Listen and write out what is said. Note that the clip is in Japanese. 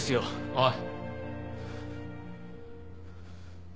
おい。